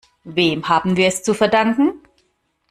Wem haben wir es zu verdanken?